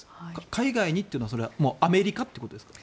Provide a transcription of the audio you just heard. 海外にということはアメリカということですか？